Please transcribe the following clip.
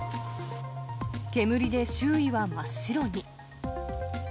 煙で周囲は真っ白に。